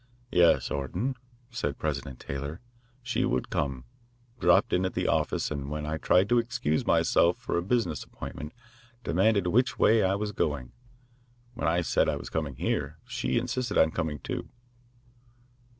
"Yes, Orton," said President Taylor, "she would come dropped in at the office and when I tried to excuse myself for a business appointment, demanded which way I was going. When I said I was coming here, she insisted on coming, too."